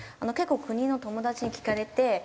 結構国の友達に聞かれて。